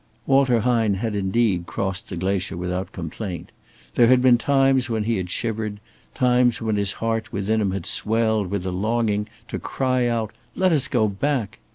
Walter Hine had indeed crossed the glacier without complaint. There had been times when he had shivered, times when his heart within him had swelled with a longing to cry out, "Let us go back!"